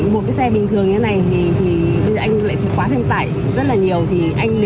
một cái xe bình thường như thế này thì anh lại quá thêm tải rất là nhiều